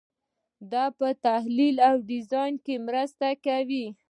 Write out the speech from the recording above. دا په تحلیل او ډیزاین کې مرسته کوي.